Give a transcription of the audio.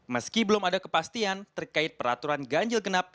meski belum ada kepastian terkait peraturan ganjil genap